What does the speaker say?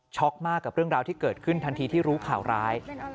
มากกับเรื่องราวที่เกิดขึ้นทันทีที่รู้ข่าวร้าย